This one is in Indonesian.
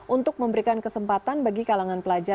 untuk memberikan kesempatan bagi kalangan pelajar